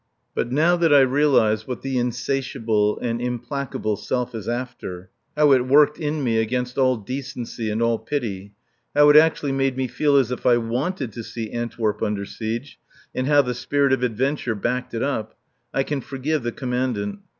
But now that I realize what the insatiable and implacable Self is after, how it worked in me against all decency and all pity, how it actually made me feel as if I wanted to see Antwerp under siege, and how the spirit of adventure backed it up, I can forgive the Commandant.